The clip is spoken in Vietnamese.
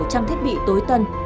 trang thiết bị tối tân